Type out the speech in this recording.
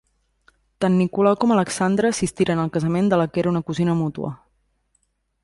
Tant Nicolau com Alexandra assistiren al casament de la que era una cosina mútua.